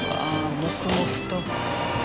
黙々と。